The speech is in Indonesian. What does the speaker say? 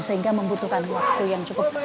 sehingga membutuhkan waktu yang cukup